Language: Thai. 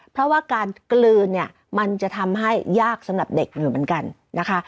เพราะว่าการกลืนเนี่ยมันจะทำให้ยากสำหรับเด็กอยู่เหมือนกันนะคะ